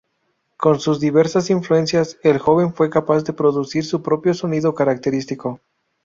Con sus diversas influencias, el joven fue capaz de producir su propio sonido característico.